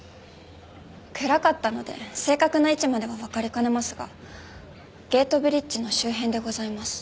暗かったので正確な位置まではわかりかねますがゲートブリッジの周辺でございます。